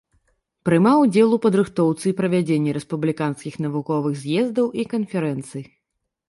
Прымаў удзел у падрыхтоўцы і правядзенні рэспубліканскіх навуковых з'ездаў і канферэнцый.